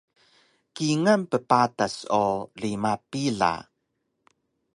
Kingal ppatas o rima pila